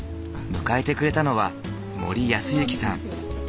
迎えてくれたのは森泰之さん。